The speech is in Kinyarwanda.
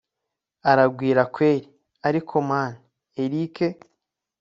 aragwira kweli ariko mn erick